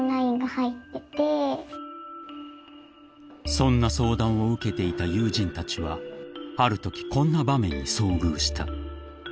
［そんな相談を受けていた友人たちはあるときこんな場面に遭遇した］